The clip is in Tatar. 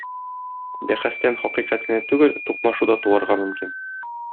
Бәхәстән хакыйкать кенә түгел, тукмашу да туарга мөмкин.